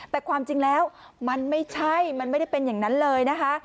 แต่ความจริงแล้วมันไม่ใช่มันไม่ได้เป็นอย่างนั้นเลยนะคะ